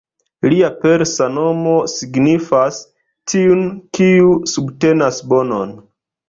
Lia persa nomo signifas ""tiun, kiu subtenas bonon"".